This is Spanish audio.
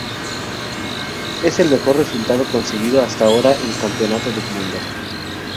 Es el mejor resultado conseguido hasta ahora en Campeonato del Mundo.